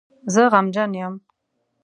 زه غمجن یم